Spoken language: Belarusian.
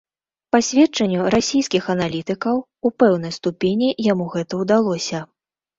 Па сведчанню расійскіх аналітыкаў, у пэўнай ступені яму гэта ўдалося.